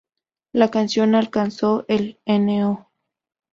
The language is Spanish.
La canción alcanzó el No.